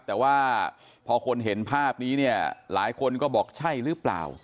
แต่ว่าพอคนเห็นภาพนี้เนี่ยหลายคนก็บอกใช่หรือเปล่า